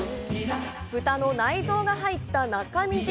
豚の内臓が入った中身汁。